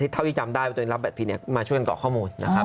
เท่าที่จำได้ว่าตัวเองรับบัตรผิดมาช่วยกันกรอกข้อมูล